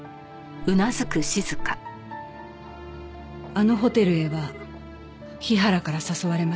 あのホテルへは日原から誘われました。